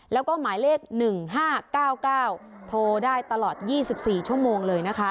แล้วก็หมายเลขหนึ่งห้าเก้าเก้าโทรได้ตลอดยี่สิบสี่ชั่วโมงเลยนะคะ